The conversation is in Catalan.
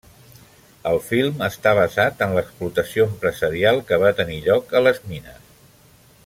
El film està basat en l'explotació empresarial que va tenir lloc a les mines.